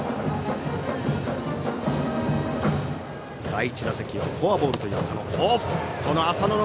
第１打席はフォアボールの浅野。